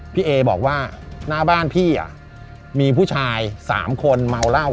พี่เอบอกว่าหน้าบ้านพี่มีผู้ชาย๓คนเมาเหล้า